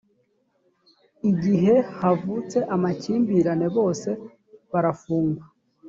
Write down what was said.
igihe havutse amakimbirane bose barafungwa